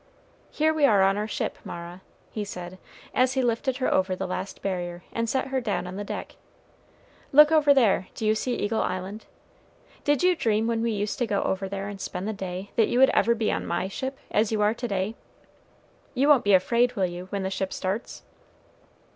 Here we are on our ship, Mara," he said, as he lifted her over the last barrier and set her down on the deck. "Look over there, do you see Eagle Island? Did you dream when we used to go over there and spend the day that you ever would be on my ship, as you are to day? You won't be afraid, will you, when the ship starts?"